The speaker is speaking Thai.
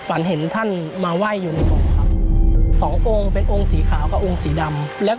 ความเชื่อของเราที่หลักเลยทางร้านจะบูชากองค์ปู่ทาเวสวัน